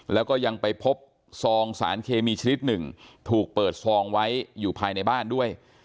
แล้วก็ยังไปพบซองสารเคมีชนิดหนึ่งถูกเปิดซองไว้อยู่ภายในบ้านด้วย